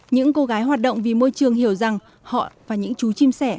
những cô gái hoạt động vì môi trường hiểu rằng họ và những chú chim sẻ